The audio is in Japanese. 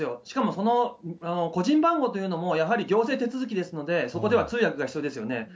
しかも、その個人番号というのも、やはり行政手続ですので、そこでは通訳が必要ですよね。